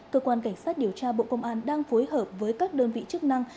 cơ quan cảnh sát điều tra bộ công an đang phối hợp với các đơn vị chức năng